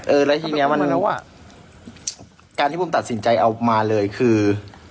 เออแล้วทีนี้มันการที่ปุ่มตัดสินใจเอามาเลยคือ